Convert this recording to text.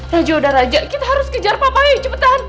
raja udah raja kita harus kejar papa yuk cepetan